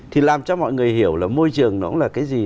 thì làm cho mọi người hiểu là môi trường nó cũng là cái gì